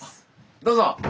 どうぞ。